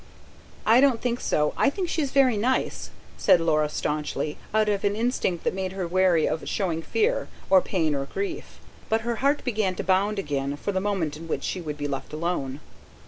"I don't think so. I think she's very nice," said Laura staunchly, out of an instinct that made her chary of showing fear, or pain, or grief. But her heart began to bound again, for the moment in which she would be left alone.